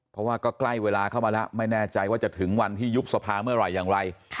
เพราะว่าก็ใกล้เวลาเข้ามาแล้วไม่แน่ใจว่าจะถึงวันที่ยุบสภาเมื่อไหร่อย่างไร